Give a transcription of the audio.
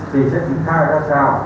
thì sẽ triển khai ra sao